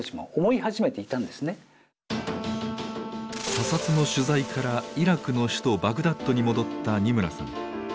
査察の取材からイラクの首都バグダッドに戻った二村さん。